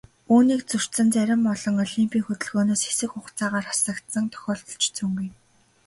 Үүнийг зөрчсөн зарим орон олимпын хөдөлгөөнөөс хэсэг хугацаагаар хасагдсан тохиолдол ч цөөнгүй.